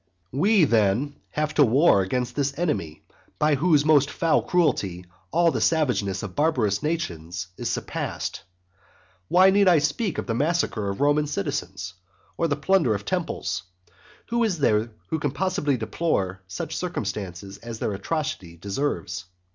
We, then, have to war against this enemy by whose most foul cruelty all the savageness of barbarous nations is surpassed. Why need I speak of the massacre of Roman citizens? of the plunder of temples? Who is there who can possibly deplore such circumstances as their atrocity deserves?